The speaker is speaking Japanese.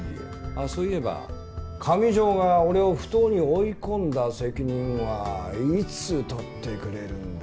あっそういえば上條が俺を不当に追い込んだ責任はいつ取ってくれるんだ？